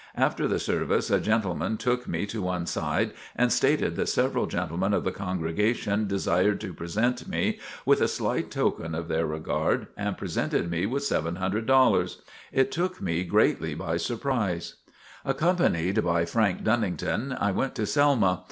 After the service a gentleman took me to one side and stated that several gentlemen of the congregation desired to present me with a slight token of their regard and presented me with $700. It took me greatly by surprise. Accompanied by Frank Dunnington, I went to Selma.